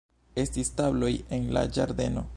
Estis tabloj en la ĝardeno.